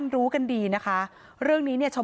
พระเจ้าที่อยู่ในเมืองของพระเจ้า